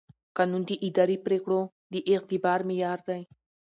قانون د اداري پرېکړو د اعتبار معیار دی.